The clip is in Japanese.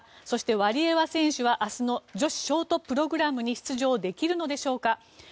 そしてワリエワ選手は明日の女子ショートプログラムに出場できるのでしょうか。